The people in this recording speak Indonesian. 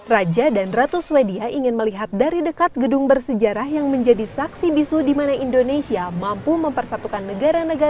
raja dan ratu swedia ingin melihat dari dekat gedung bersejarah yang menjadi saksi bisu di mana indonesia mampu mempersatukan negara negara